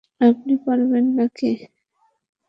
আপনি পারবেন নাকি?